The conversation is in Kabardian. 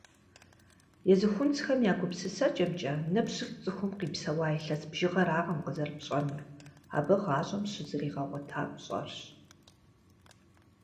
Езы хунзхэм я гупсысэкӏэмкӏэ, ныбжьыр цӏыхум къипсэуа илъэс бжыгъэракъым къызэрыпщӏэнур, абы гъащӏэм щызригъэгъуэта пщӏэрщ.